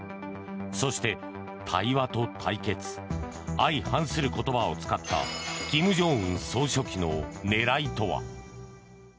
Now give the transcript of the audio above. そして対話と対決相反する言葉を使った金正恩総書記の狙いとは？